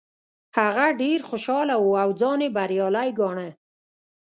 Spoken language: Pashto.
هغه ډیر خوشحاله و او ځان یې بریالی ګاڼه.